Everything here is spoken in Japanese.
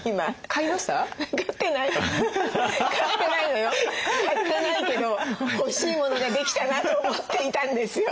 買ってないけど欲しいモノができたなと思っていたんですよ